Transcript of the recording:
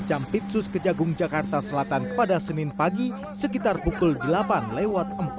jampitsus kejagung jakarta selatan pada senin pagi sekitar pukul delapan lewat empat puluh